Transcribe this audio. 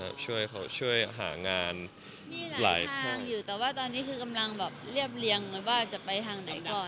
มีหลังทางอยู่แต่ว่าตอนนี้คือกำลังเรียบเรียงว่าจะไปทางไหนก่อน